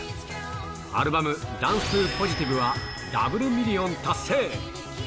アルバム、ダンス・トゥー・ポジティブは、ダブルミリオン達成。